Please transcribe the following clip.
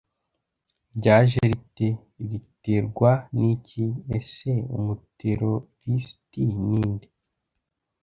ryaje rite, riterwa niki ese umuterorisisti ninde,